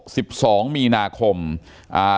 สิบสองมีนาคมอ่า